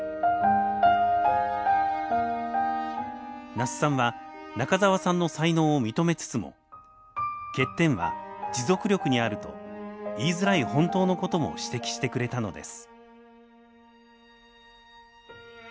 那須さんは中沢さんの才能を認めつつも欠点は持続力にあると言いづらい本当のことも指摘してくれたのです。